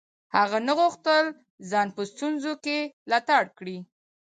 هغه نه غوښتل ځان په ستونزو کې لتاړ کړي.